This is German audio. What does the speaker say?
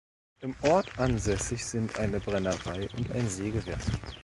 Am Ort ansässig sind eine Brennerei und ein Sägewerk.